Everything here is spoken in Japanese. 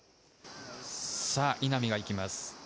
稲見が行きます。